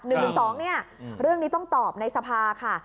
หนึ่งหนึ่งสองเนี่ยเรื่องนี้ต้องตอบในสภาค่ะ